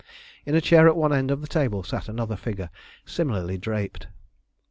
In a chair at one end of the table sat another figure similarly draped.